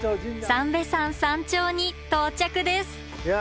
三瓶山山頂に到着ですいや